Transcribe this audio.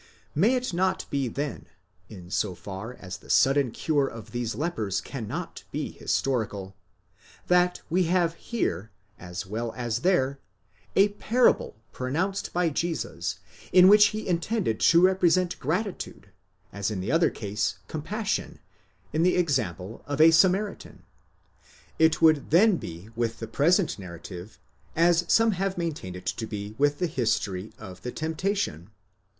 May it not be then (in so far as the sudden cure of these lepers cannot be historical) that we have here, as well as there, a parable pronounced by Jesus, in which he intended to represent gratitude, as in the other case compassion, in the example of a Samaritan? It would then be with the present narrative as some have maintained it to be with the history of the temptation.